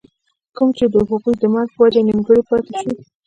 کوم چې َد هغوي د مرګ پۀ وجه نيمګري پاتې شو